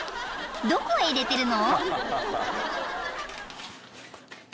どこへ入れてるの？］